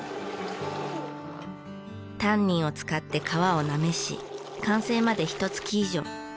タンニンを使って皮をなめし完成までひと月以上。